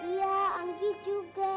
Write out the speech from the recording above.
iya anggi juga